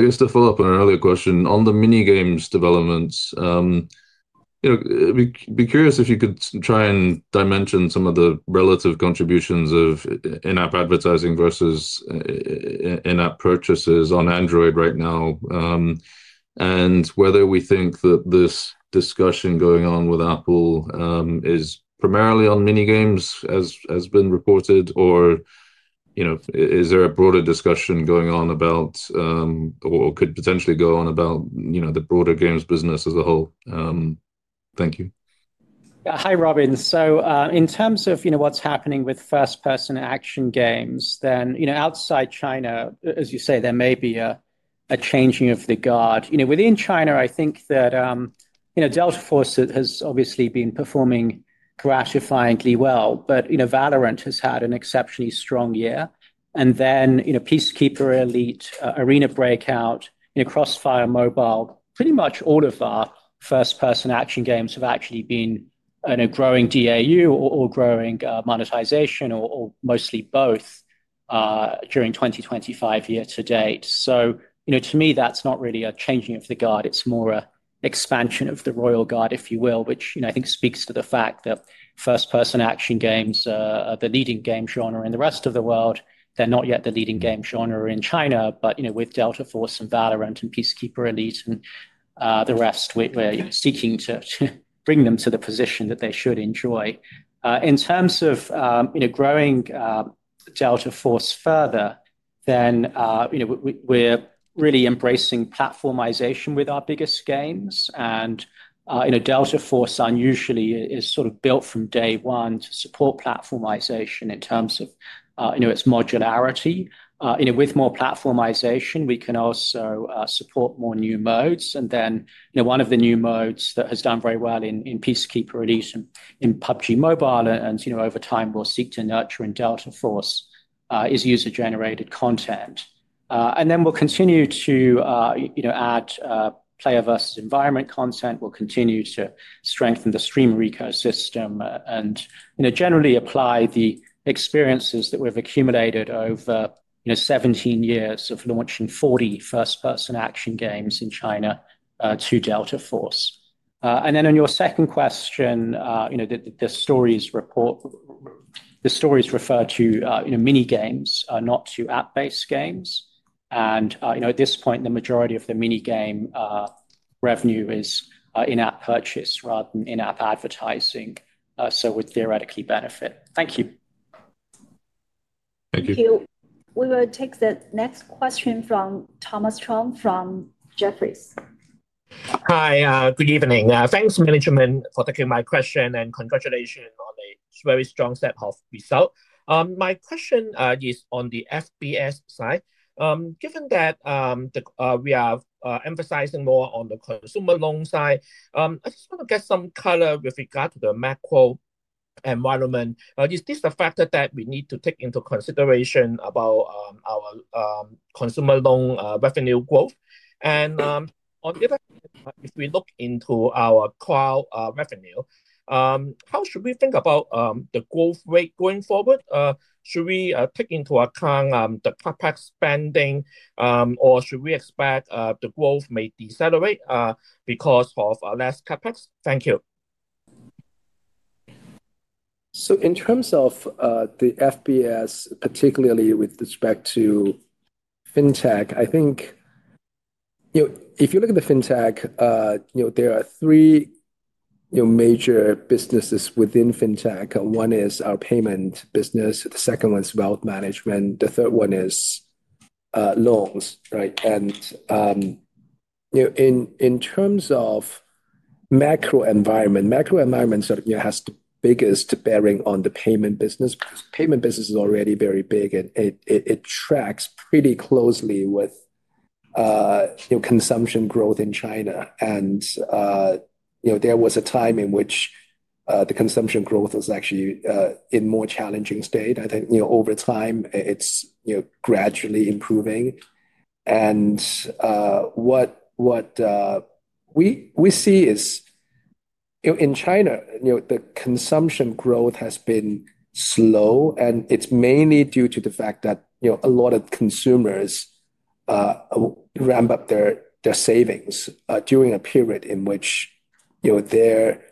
guess to follow up on an earlier question on the mini games developments, I'd be curious if you could try and dimension some of the relative contributions of in-app advertising versus in-app purchases on Android right now and whether we think that this discussion going on with Apple is primarily on mini games, as has been reported. Is there a broader discussion going on about or could potentially go on about the broader games business as a whole? Thank you. Yeah. Hi, Robin. In terms of what's happening with first-person action games, then outside China, as you say, there may be a changing of the guard. Within China, I think that Delta Force has obviously been performing gratifyingly well. Valorant has had an exceptionally strong year. Peacekeeper Elite, Arena Breakout, Crossfire Mobile, pretty much all of our first-person action games have actually been growing DAU or growing monetization or mostly both during 2025 year to date. To me, that's not really a changing of the guard. It's more an expansion of the royal guard, if you will, which I think speaks to the fact that first-person action games are the leading game genre in the rest of the world. They're not yet the leading game genre in China. With Delta Force and Valorant and Peacekeeper Elite and the rest, we're seeking to bring them to the position that they should enjoy. In terms of growing Delta Force further, we're really embracing platformization with our biggest games. Delta Force unusually is sort of built from day one to support platformization in terms of its modularity. With more platformization, we can also support more new modes. One of the new modes that has done very well in Peacekeeper Elite and in PUBG Mobile, and over time, we'll seek to nurture in Delta Force, is user-generated content. We'll continue to add player versus environment content. We'll continue to strengthen the streamer ecosystem and generally apply the experiences that we've accumulated over 17 years of launching 40 first-person action games in China to Delta Force. On your second question, the stories refer to mini games, not to app-based games. At this point, the majority of the mini game revenue is in-app purchase rather than in-app advertising. We would theoretically benefit. Thank you. Thank you. We will take the next question from Thomas Chong from Jefferies. Hi. Good evening. Thanks, management, for taking my question and congratulations on a very strong set of results. My question is on the FBS side. Given that we are emphasizing more on the consumer loan side, I just want to get some color with regard to the macro environment. Is this a factor that we need to take into consideration about our consumer loan revenue growth? On the other hand, if we look into our cloud revenue, how should we think about the growth rate going forward? Should we take into account the CapEx spending, or should we expect the growth may decelerate because of less CapEx? Thank you. In terms of the FBS, particularly with respect to fintech, I think if you look at the fintech, there are three major businesses within fintech. One is our payment business. The second one is wealth management. The third one is loans. In terms of macro environment, macro environment has the biggest bearing on the payment business because payment business is already very big. It tracks pretty closely with consumption growth in China. There was a time in which the consumption growth was actually in a more challenging state. I think over time, it is gradually improving. What we see is in China, the consumption growth has been slow. It is mainly due to the fact that a lot of consumers ramp up their savings during a period in which their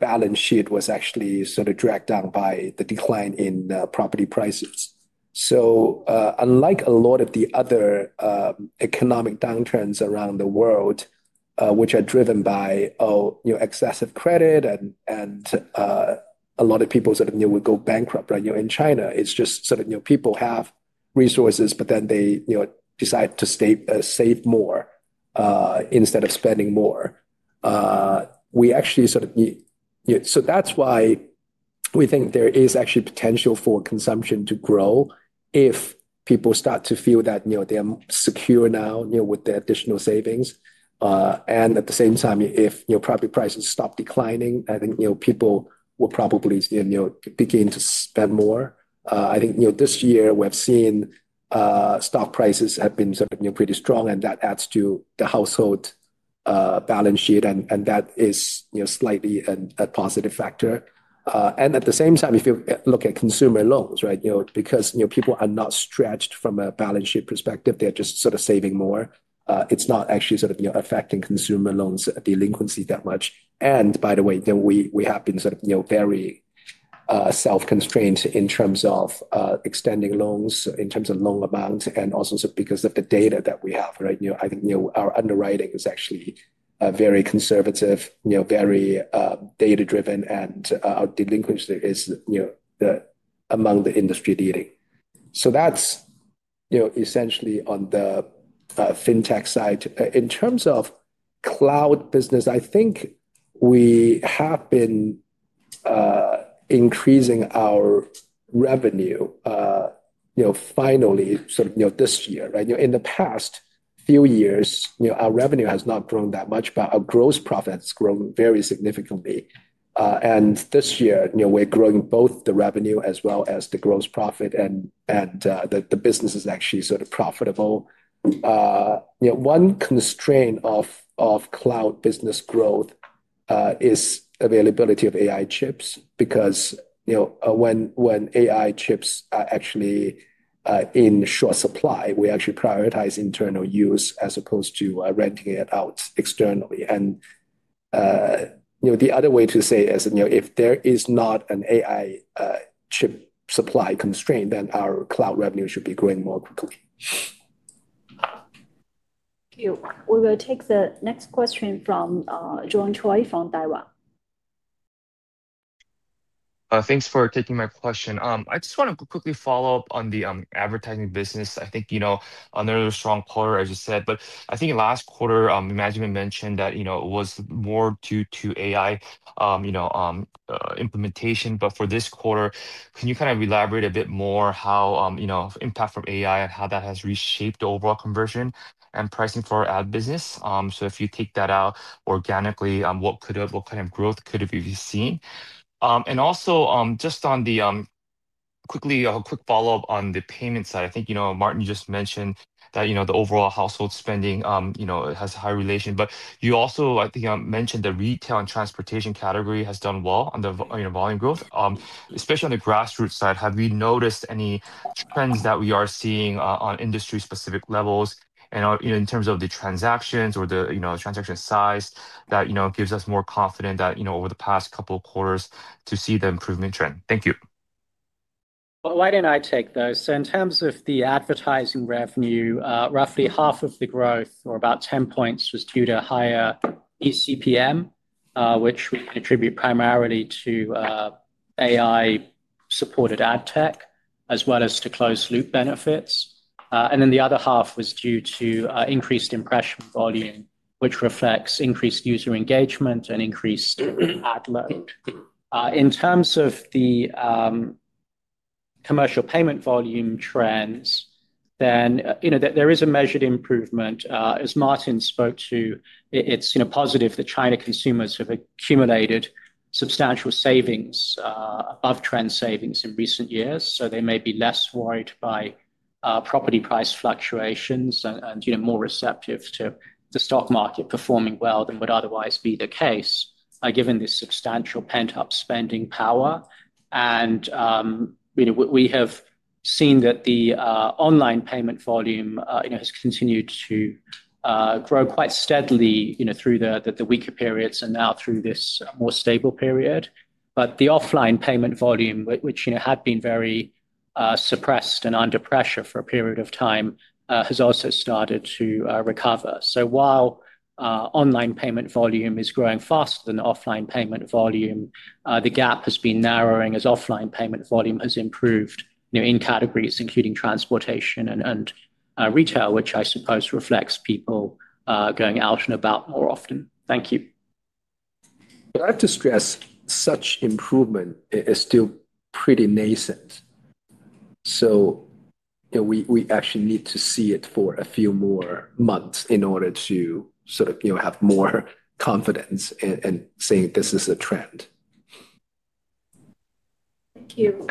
balance sheet was actually sort of dragged down by the decline in property prices. Unlike a lot of the other economic downturns around the world, which are driven by excessive credit and a lot of people sort of would go bankrupt, in China, it's just sort of people have resources, but then they decide to save more instead of spending more. We actually sort of, so that's why we think there is actually potential for consumption to grow if people start to feel that they're secure now with the additional savings. At the same time, if property prices stop declining, I think people will probably begin to spend more. I think this year, we have seen stock prices have been sort of pretty strong. That adds to the household balance sheet. That is slightly a positive factor. At the same time, if you look at consumer loans, because people are not stretched from a balance sheet perspective, they're just sort of saving more. It's not actually sort of affecting consumer loans delinquency that much. By the way, we have been sort of very self-constrained in terms of extending loans, in terms of loan amounts, and also because of the data that we have. I think our underwriting is actually very conservative, very data-driven. Our delinquency is among the industry leading. That's essentially on the fintech side. In terms of cloud business, I think we have been increasing our revenue finally sort of this year. In the past few years, our revenue has not grown that much, but our gross profit has grown very significantly. This year, we're growing both the revenue as well as the gross profit. The business is actually sort of profitable. One constraint of cloud business growth is availability of AI chips because when AI chips are actually in short supply, we actually prioritize internal use as opposed to renting it out externally. The other way to say it is if there is not an AI chip supply constraint, then our cloud revenue should be growing more quickly. Thank you. We will take the next question from Zhuang Chuai from Daiwa. Thanks for taking my question. I just want to quickly follow up on the advertising business. I think another strong quarter, as you said. I think last quarter, management mentioned that it was more due to AI implementation. For this quarter, can you kind of elaborate a bit more how impact from AI and how that has reshaped the overall conversion and pricing for our ad business? If you take that out organically, what kind of growth could have you seen? Also, just on the quick follow-up on the payment side, I think Martin just mentioned that the overall household spending has a high relation. You also, I think, mentioned the retail and transportation category has done well on the volume growth, especially on the grassroots side. Have you noticed any trends that we are seeing on industry-specific levels in terms of the transactions or the transaction size that gives us more confidence over the past couple of quarters to see the improvement trend? Thank you. Why don't I take those? In terms of the advertising revenue, roughly half of the growth, or about 10 percentage points, was due to higher ECPM, which we attribute primarily to AI-supported ad tech as well as to closed-loop benefits. The other half was due to increased impression volume, which reflects increased user engagement and increased ad load. In terms of the commercial payment volume trends, there is a measured improvement. As Martin spoke to, it is positive that China consumers have accumulated substantial savings above trend savings in recent years. They may be less worried by property price fluctuations and more receptive to the stock market performing well than would otherwise be the case given this substantial pent-up spending power. We have seen that the online payment volume has continued to grow quite steadily through the weaker periods and now through this more stable period. The offline payment volume, which had been very suppressed and under pressure for a period of time, has also started to recover. While online payment volume is growing faster than offline payment volume, the gap has been narrowing as offline payment volume has improved in categories, including transportation and retail, which I suppose reflects people going out and about more often. Thank you. I have to stress such improvement is still pretty nascent. We actually need to see it for a few more months in order to sort of have more confidence in saying this is a trend. Thank you.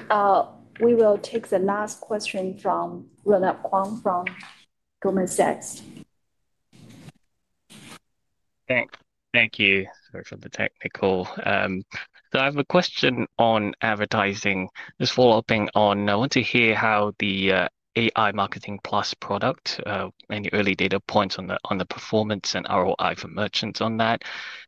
We will take the last question from Ronald Keung from Goldman Sachs. Thank you for the technical. I have a question on advertising just following up on. I want to hear how the AI Marketing Plus product and the early data points on the performance and ROI for merchants on that.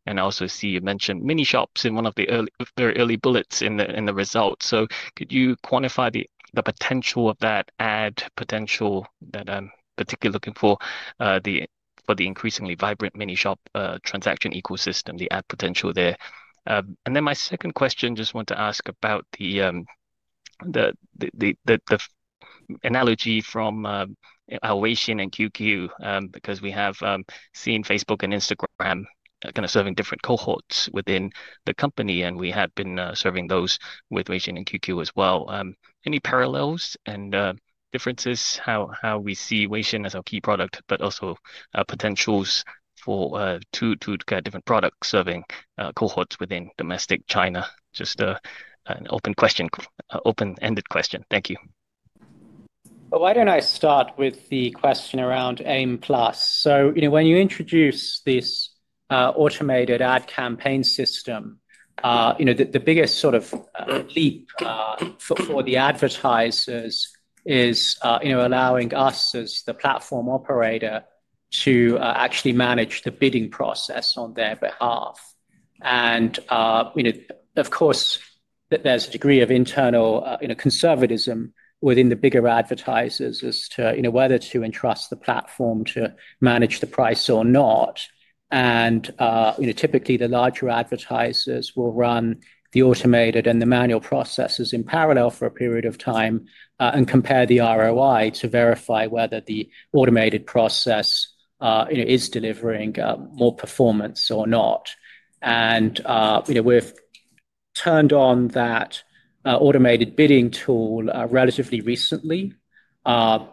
I also see you mentioned mini shops in one of the very early bullets in the results. Could you quantify the potential of that ad potential that I'm particularly looking for for the increasingly vibrant mini shop transaction ecosystem, the ad potential there? My second question, just want to ask about the analogy from our Weixin and QQ because we have seen Facebook and Instagram kind of serving different cohorts within the company. We have been serving those with Weixin and QQ as well. Any parallels and differences how we see Weixin as our key product, but also potentials for two different products serving cohorts within domestic China? Just an open question, open-ended question. Thank you. Why do I not start with the question around AIM Plus? When you introduce this automated ad campaign system, the biggest sort of leap for the advertisers is allowing us as the platform operator to actually manage the bidding process on their behalf. Of course, there is a degree of internal conservatism within the bigger advertisers as to whether to entrust the platform to manage the price or not. Typically, the larger advertisers will run the automated and the manual processes in parallel for a period of time and compare the ROI to verify whether the automated process is delivering more performance or not. We have turned on that automated bidding tool relatively recently. The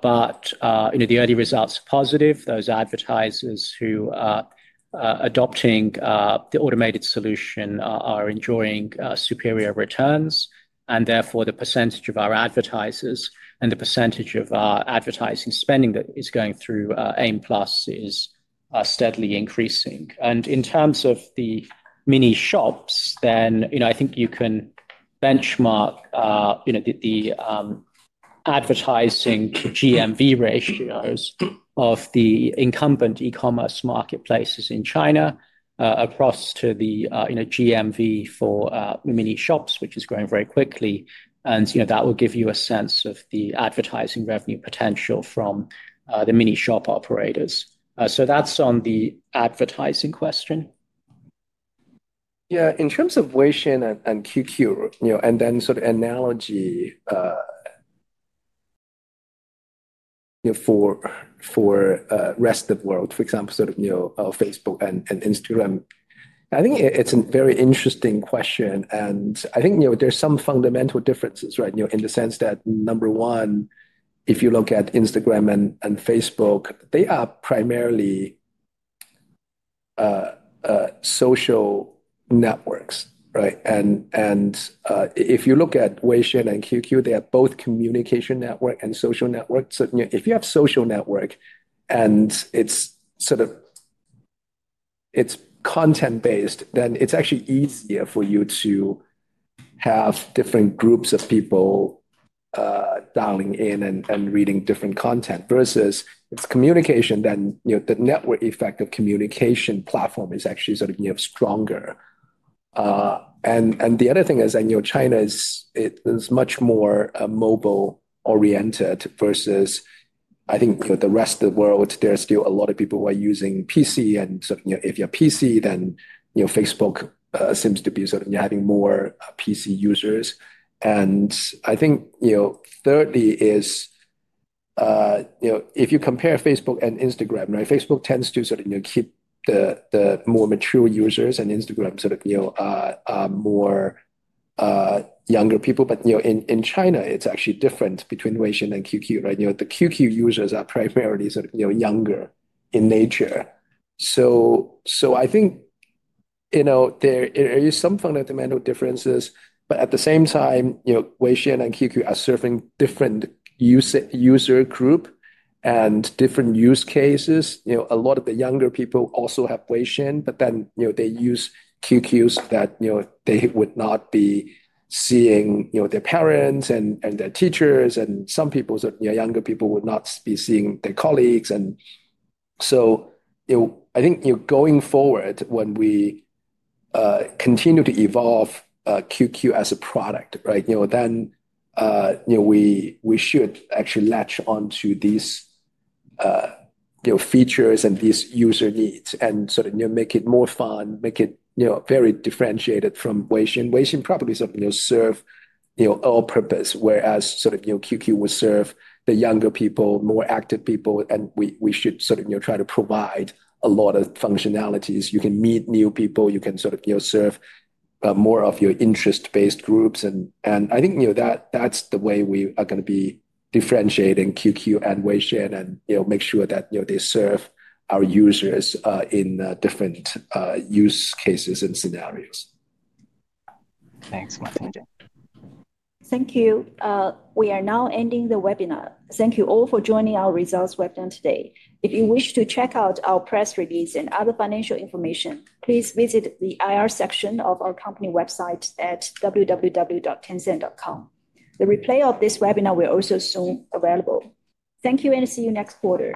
early results are positive. Those advertisers who are adopting the automated solution are enjoying superior returns. Therefore, the percentage of our advertisers and the percentage of our advertising spending that is going through AIM Plus is steadily increasing. In terms of the mini shops, I think you can benchmark the advertising to GMV ratios of the incumbent e-commerce marketplaces in China across to the GMV for mini shops, which is growing very quickly. That will give you a sense of the advertising revenue potential from the mini shop operators. That is on the advertising question. Yeah. In terms of Weixin and QQ and then sort of analogy for the rest of the world, for example, sort of Facebook and Instagram, I think it's a very interesting question. I think there's some fundamental differences in the sense that, number one, if you look at Instagram and Facebook, they are primarily social networks. If you look at Weixin and QQ, they are both communication network and social network. If you have a social network and it's sort of content-based, then it's actually easier for you to have different groups of people dialing in and reading different content versus if it's communication, then the network effect of communication platform is actually sort of stronger. The other thing is that China is much more mobile-oriented versus I think the rest of the world, there are still a lot of people who are using PC. If you have PC, then Facebook seems to be sort of having more PC users. I think thirdly is if you compare Facebook and Instagram, Facebook tends to sort of keep the more mature users and Instagram sort of more younger people. In China, it's actually different between Weixin and QQ. The QQ users are primarily sort of younger in nature. I think there are some fundamental differences. At the same time, Weixin and QQ are serving different user groups and different use cases. A lot of the younger people also have Weixin, but then they use QQ so that they would not be seeing their parents and their teachers. Some people, younger people, would not be seeing their colleagues. I think going forward, when we continue to evolve QQ as a product, we should actually latch on to these features and these user needs and sort of make it more fun, make it very differentiated from Weixin. Weixin probably sort of serves all purposes, whereas sort of QQ will serve the younger people, more active people. We should sort of try to provide a lot of functionalities. You can meet new people. You can sort of serve more of your interest-based groups. I think that's the way we are going to be differentiating QQ and Weixin and make sure that they serve our users in different use cases and scenarios. Thanks, Martin. Thank you. We are now ending the webinar. Thank you all for joining our results webinar today. If you wish to check out our press release and other financial information, please visit the IR section of our company website at www.tencent.com. The replay of this webinar will also soon be available. Thank you and see you next quarter.